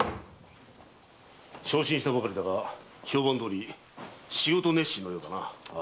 昇進したばかりだが評判どおり仕事熱心のようだな。